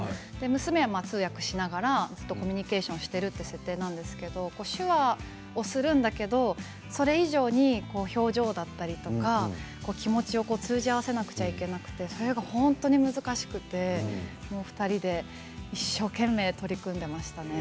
娘は通訳しながらずっとコミュニケーションしているという設定なんですけれども手話をするんだけれどもそれ以上に表情だったりとか気持ちを通じ合わせなければいけなくてそれが本当に難しくて２人で一生懸命取り組んでいましたね。